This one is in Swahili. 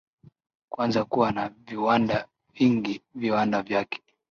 kwanza kuwa na viwanda vingi viwanda vyake